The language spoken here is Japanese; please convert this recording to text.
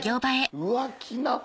うわっきな粉。